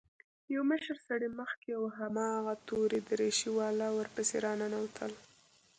يو مشر سړى مخکې او هماغه تورې دريشۍ والا ورپسې راننوتل.